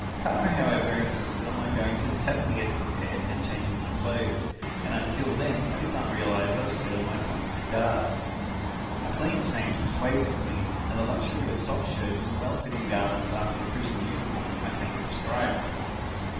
Kara, however, insisted on my going to the cabin he had prepared and changing my clothes, and until then I did not realise I was still in my convict's garb. A clean change was waiting for me, and the luxury of soft shirts and well fitting garments after the prison uniform I cannot describe.